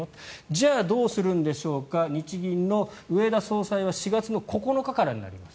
じゃあどうするんですか日銀の植田総裁は４月の９日からになります。